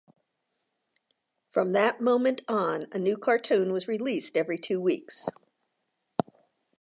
From that moment on, a new cartoon was released every two weeks.